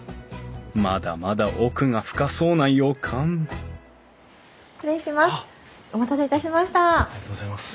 まだまだ奥が深そうな予感失礼します。